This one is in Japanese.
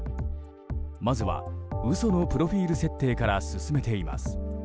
まずは嘘のプロフィール設定から進めています。